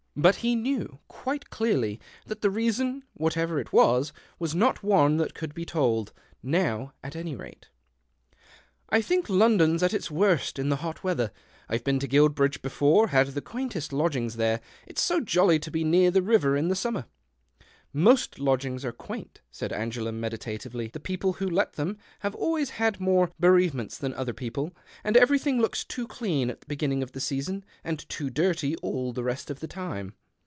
But he knew, quite clearly, that the reason, whatever it was, was not one that could be told — now, at any rate. " I think London's at its worst in the hot weather. I've been to Guilbridoje l)efore — had the quaintest lodgings there. It's so jolly to be near the river in the summer." " Most lodgings are quaint," said Angela, meditatively. " The people who let them have always had more bereavements than other people, and everything looks too clean at the beginning of the season and too dirty all the rest of the time.